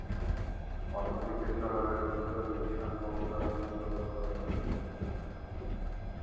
অন্যদিকে শহরের উত্তর দিক সম্ভবত মূলত বসবাসের অঞ্চল হিসেবে ব্যবহৃত হত।